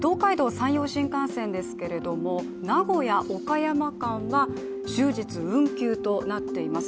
山陽新幹線ですけれども名古屋ー岡山間は終日運休となっています。